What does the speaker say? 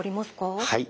はい。